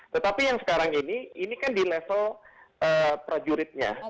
tetapi yang sekarang ini ini kan di level prajuritnya